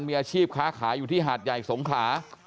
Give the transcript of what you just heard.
มีอาชีพค้าขายอยู่ที่หาดใหญ่สงขลา